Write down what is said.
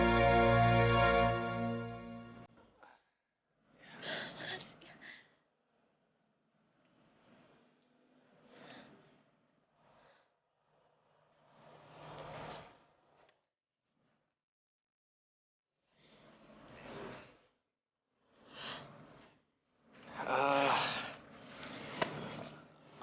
sampai jumpa lagi